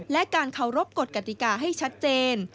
และการเคารพกฎกติกาให้ชัดเจน